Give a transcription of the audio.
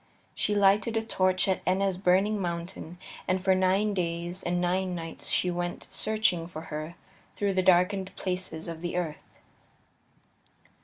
She lighted a torch at Etna's burning mountain, and for nine days and nine nights she went searching for her through the darkened places of the earth.